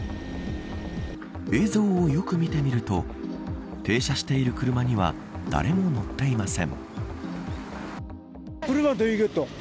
映像をよく見てみると停車している車には誰も乗っていません。